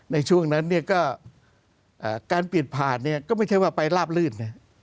ในช่วงนั้นก็การปิดผ่านก็ไม่ใช่ว่าไปลาบลืด